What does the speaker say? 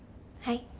はい。